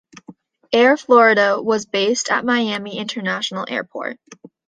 Air Florida was based at Miami International Airport.